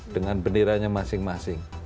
dengan bendiranya masing masing